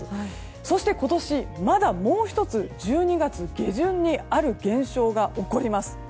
そして今年、まだもう１つ１２月下旬にある現象が起こります。